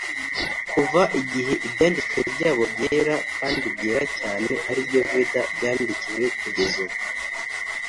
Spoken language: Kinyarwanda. kuva igihe ibyanditswe byabo bya kera (kandi byera cyane) ari byo veda, byandikiwe kugeza ubu.